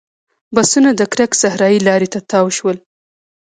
بسونه د کرک صحرایي لارې ته تاو شول.